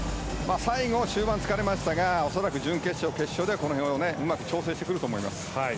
終盤は疲れていましたが恐らく準決勝、決勝ではうまく調整してくると思います。